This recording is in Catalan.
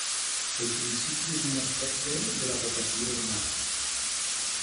El principi és un aspecte de la vocació humana.